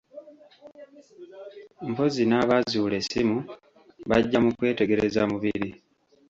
Mpozzi n'abaazuula essimu bajja mu kwetegereza mubiri